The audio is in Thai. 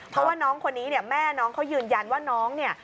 เพราะว่าน้องคนนี้เนี่ยแม่น้องเขายืนยันว่าน้องเนี่ย